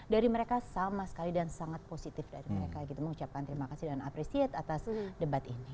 dari mereka sama sekali dan sangat positif dari mereka gitu mengucapkan terima kasih dan appreciate atas debat ini